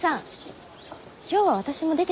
今日は私も出てきますね。